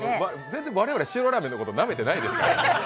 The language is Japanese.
全然、我々、塩ラーメンのことなめてないですから。